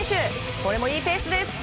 これもいいペースです！